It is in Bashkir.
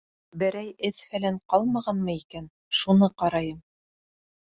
— Берәй эҙ-фәлән ҡалмағанмы икән, шуны ҡарайым.